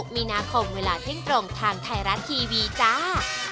มีนาคมเวลาเที่ยงตรงทางไทยรัฐทีวีจ้า